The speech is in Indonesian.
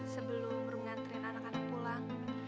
sebelum rum ngantrin anak anak pulang